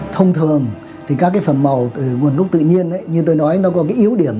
thông thường các phần màu từ nguồn gốc tự nhiên như tôi nói nó có yếu điểm